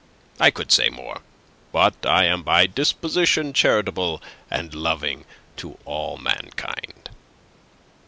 I could say more. But I am by disposition charitable and loving to all mankind."